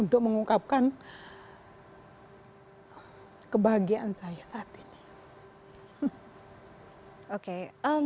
untuk mengungkapkan kebahagiaan saya saat ini